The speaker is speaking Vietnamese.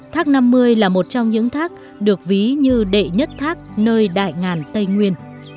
thác năm mươi là một trong những thác được ví như đệ nhất thác nơi đại ngàn tây nguyên